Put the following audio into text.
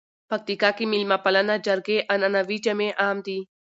پکتیکا کې مېلمه پالنه، جرګې، عنعنوي جامي عام دي.